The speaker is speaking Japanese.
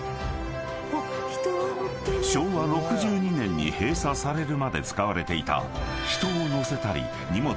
［昭和６２年に閉鎖されるまで使われていた］